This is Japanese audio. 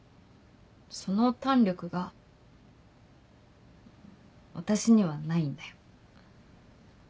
その胆力が私にはないんだよ。